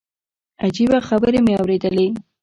عجيبه خبرې مې اورېدلې.